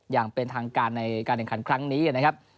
อย่างเป็นทางการในการแข่งขันครั้งนี้นะครับ